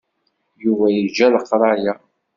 Yuba yeǧǧa leqraya.